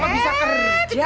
kenapa bisa kerja